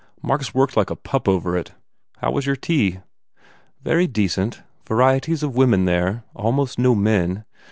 Mark s worked like a pup over it. How was your tea?" "Very decent. Varieties of women, there. Almost no men.